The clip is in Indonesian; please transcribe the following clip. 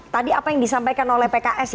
tadi apa yang disampaikan oleh pks